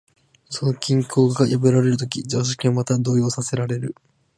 その均衡が破られるとき、常識もまた動揺させられる。